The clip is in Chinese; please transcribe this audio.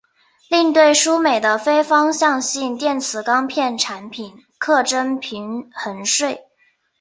另对输美的非方向性电磁钢片产品课征平衡税。